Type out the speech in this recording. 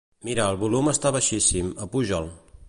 Mira, el volum està baixíssim; apuja'l.